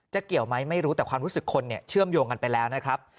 เกี่ยวไหมไม่รู้แต่ความรู้สึกคนเนี่ยเชื่อมโยงกันไปแล้วนะครับ